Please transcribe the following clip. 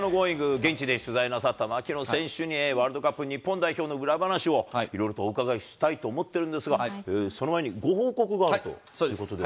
現地で取材なさった槙野選手にワールドカップ日本代表の裏話をいろいろとお伺いしたいと思っているんですが、その前にご報告があそうです。